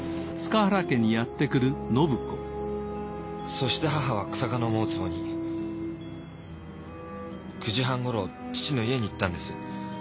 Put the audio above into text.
そして母は日下の思うつぼに９時半頃父の家に行ったんです。